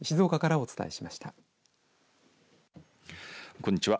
こんにちは。